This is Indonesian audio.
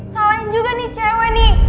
selain juga nih cewek nih